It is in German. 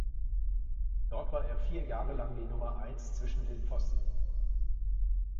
Dort war er vier Jahre lang die Nummer Eins zwischen den Pfosten.